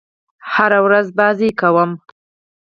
هره ورځ لوبې کوم